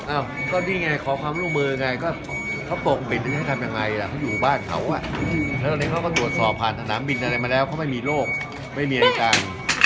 อ้าวก็นี่ไงขอความร่วมมือไงก็เขาปกปิดให้ทำยังไงล่ะเขาอยู่บ้านเขาอ่ะแล้วตอนนี้เขาก็ตรวจสอบผ่านสนามบินอะไรมาแล้วเขาไม่มีโรคไม่มีอาการ